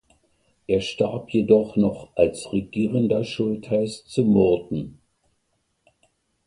Er starb jedoch noch als regierender Schultheiss zu Murten.